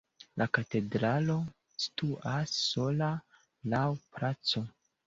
La katedralo situas sola laŭ placo.